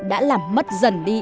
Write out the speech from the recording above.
đã làm mất dần đi